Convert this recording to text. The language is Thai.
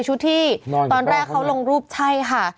ชุดที่ตอนแรกเขาลงรูปใช่ค่ะ